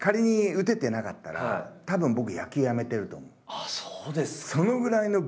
ああそうですか！